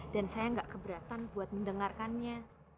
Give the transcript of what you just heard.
dan saya gak keberatan buat mendengarkannya